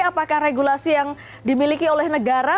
apakah regulasi yang dimiliki oleh negara